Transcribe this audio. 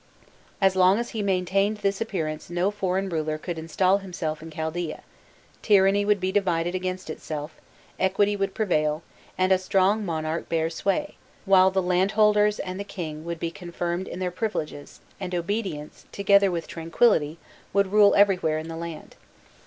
As long as he maintained this appearance no foreign ruler could install himself in Chaldaea, tyranny would be divided against itself, equity would prevail, and a strong monarch bear sway; while the landholders and the king would be confirmed in their privileges, and obedience, together with tranquillity, would rule everywhere in the land.